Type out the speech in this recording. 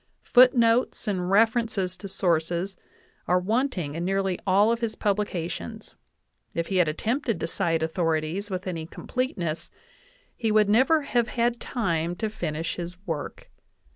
Foot notes and references to sources are wanting in nearly all of his publications ; if he had attempted to cite authorities with any completeness, he would never have had time to finish his work.